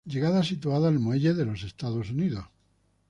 Llegada situada al Muelle de los Estados Unidos.